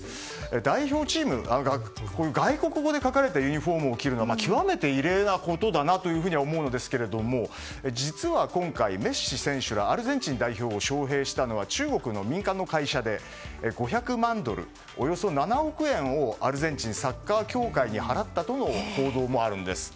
代表チームが外国語で書かれたユニホームを着るのは極めて異例なことだと思うんですが実は今回メッシ選手らアルゼンチン代表を招聘したのは中国の民間の会社で５００万ドル、およそ７億円をアルゼンチンサッカー協会に払ったとの報道もあるんです。